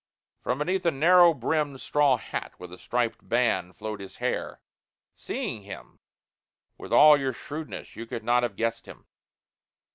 From beneath a narrow brimmed straw hat with a striped band flowed his hair. Seeing him, with all your shrewdness you could not have guessed him.